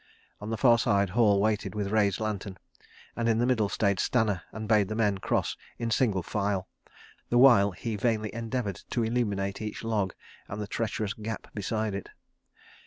On the far side Hall waited with raised lantern, and in the middle stayed Stanner and bade the men cross in single file, the while he vainly endeavoured to illuminate each log and the treacherous gap beside it.